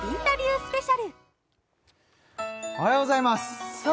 スペシャルおはようございますさあ